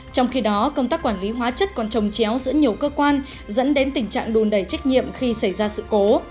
trong khi đó công tác quản lý hóa chất còn trồng chéo giữa nhiều cơ quan dẫn đến tình trạng đùn đầy trách nhiệm khi xảy ra sự cố